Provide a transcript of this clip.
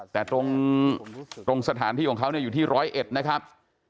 แต่ตรงสถานที่ของเขาอยู่ที่ร้อยเอ็ดนะครับ